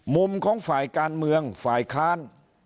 มุมของฝ่ายการเมืองฝ่ายค้าน